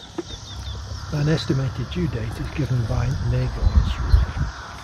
An estimated due date is given by Naegele's rule.